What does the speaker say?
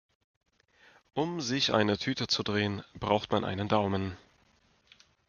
Um sich eine Tüte zu drehen, braucht man einen Daumen.